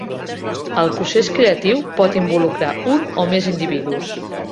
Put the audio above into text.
El procés creatiu pot involucrar un o més individus.